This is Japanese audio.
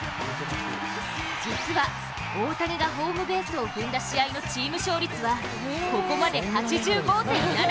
実は大谷がホームベースを踏んだ試合のチーム勝率はここまで８５．７％。